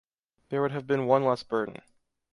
There would have been one less burden.